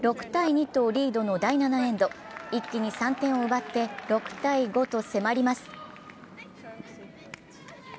６−２とリードの第７エンド、一気に３点を奪って６−５と迫ります